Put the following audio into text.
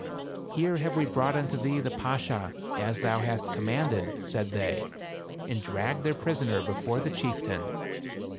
"Here have we brought unto thee the Bashaw, as thou hast commanded," said they, and dragged their prisoner before the chieftain.